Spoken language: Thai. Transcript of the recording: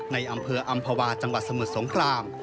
ในอำเภออำภาวาจังหวัดสมุทรสงคราม